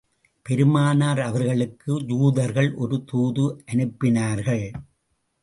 பெருமானார் அவர்களுக்கு யூதர்கள் ஒரு தூது அனுப்பினார்கள்.